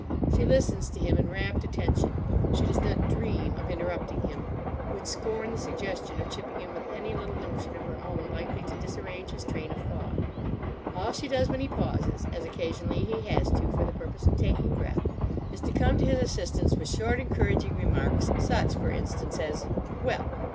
She listens to him in rapt attention. She does not dream of interrupting him; would scorn the suggestion of chipping in with any little notion of her own likely to disarrange his train of thought. All she does when he pauses, as occasionally he has to for the purpose of taking breath, is to come to his assistance with short encouraging remarks, such, for instance, as: "Well."